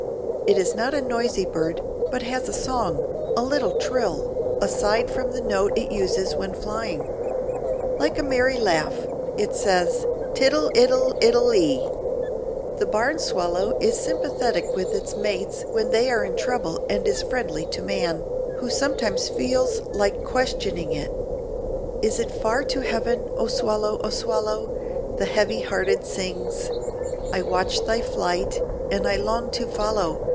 It is not a noisy bird, but has a song—a little trill—aside from the note it uses when flying. Like a merry laugh, it says "Tittle ittle ittle ee." The barn swallow is sympathetic with its mates when they are in trouble and is friendly to man, who sometimes feels like questioning it— "Is it far to heaven, O Swallow, Swallow! The heavy hearted sings; I watch thy flight—and I long to follow.